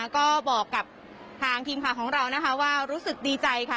ก็บอกกับทางทีมข่าวของเรานะคะว่ารู้สึกดีใจค่ะ